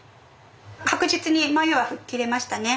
確実に迷いは吹っ切れましたね。